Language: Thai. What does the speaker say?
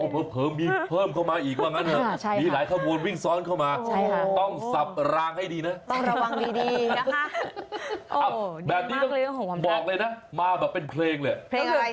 แบบนี้บอกเลยนะมาแบบเป็นเพลงเลย